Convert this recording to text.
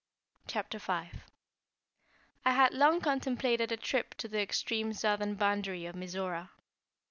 CHAPTER V. I had long contemplated a trip to the extreme southern boundary of Mizora.